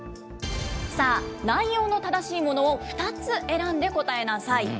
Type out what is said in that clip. さあ、内容の正しいものを２つ選んで答えなさい。